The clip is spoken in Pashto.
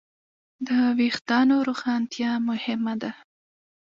د وېښتیانو روښانتیا مهمه ده.